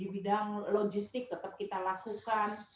di bidang logistik tetap kita lakukan